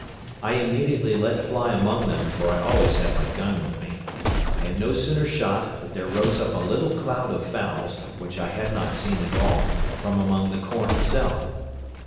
I immediately let fly among them, for I always had my gun with me. I had no sooner shot, but there rose up a little cloud of fowls, which I had not seen at all, from among the corn itself.